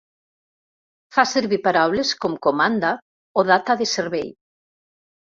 Fa servir paraules com comanda o data de servei.